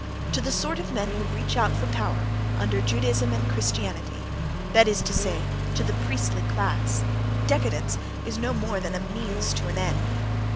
To the sort of men who reach out for power under Judaism and Christianity,—that is to say, to the priestly class—décadence is no more than a means to an end.